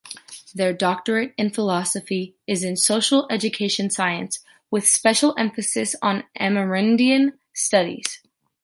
Their doctorate in philosophy is in Social Education Science, with special emphasis on Amerindian studies.